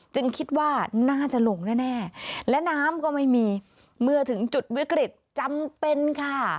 คิดว่าน่าจะลงแน่และน้ำก็ไม่มีเมื่อถึงจุดวิกฤตจำเป็นค่ะ